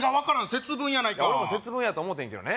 節分やないか俺も節分やと思てんけどね